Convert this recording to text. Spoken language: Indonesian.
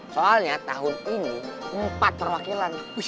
soalnya tahun ini empat perwakilan